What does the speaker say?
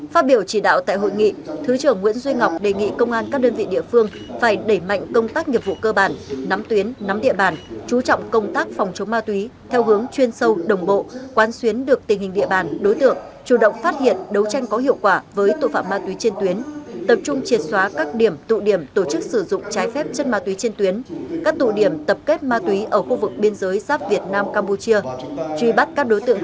phát biểu chỉ đạo tại hội nghị thứ trưởng nguyễn duy ngọc đề nghị công an các đơn vị địa phương phải đẩy mạnh công tác nghiệp vụ cơ bản nắm tuyến nắm địa bàn chú trọng công tác phòng chống ma túy theo hướng chuyên sâu đồng bộ quan xuyến được tình hình địa bàn đối tượng chủ động phát hiện đấu tranh có hiệu quả với tội phạm ma túy trên tuyến tập trung triệt xóa các điểm tụ điểm tổ chức sử dụng trái phép chất ma túy trên tuyến các tụ điểm tập kết ma túy ở khu vực biên giới giáp việt nam campuchia